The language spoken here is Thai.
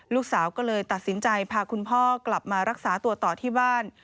ลูกสาวก็เลยตัดสินใจพาคุณพ่อกลับมารักษาตัวต่อที่บ้าน